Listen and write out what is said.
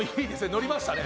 乗りましたね。